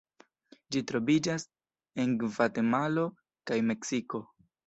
Ĝi troviĝas en Gvatemalo kaj Meksiko.